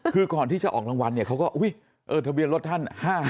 คือก่อนที่จะออกรางวัลเนี่ยเขาก็อุ๊ยทะเบียนรถท่าน๕๕